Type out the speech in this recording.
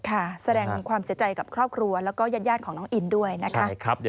แสดงความเสียใจกับครอบครัวแล้วก็ญาติของน้องอินด้วยนะคะ